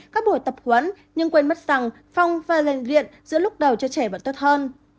các buổi tập huấn nhưng quên mất rằng phong và lệnh viện giữa lúc đầu cho trẻ vẫn tốt hơn